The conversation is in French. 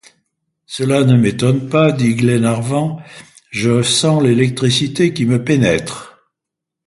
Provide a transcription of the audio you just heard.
Cela ne m’étonne pas, dit Glenarvan, je sens l’électricité qui me pénètre.